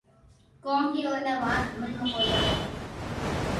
ڪونڪھ اوني آ وات ھمج ۾ ڪوئي آوي ھي